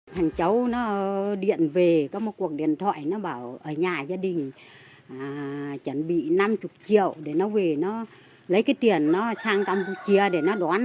thằng cháu nó điện về có một cuộc điện thoại nó bảo ở nhà gia đình chuẩn bị năm mươi triệu để nó về nó lấy cái tiền nó sang campuchia để nó đón